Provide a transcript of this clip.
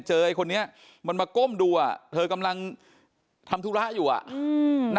ไอ้คนนี้มันมาก้มดูอ่ะเธอกำลังทำธุระอยู่อ่ะ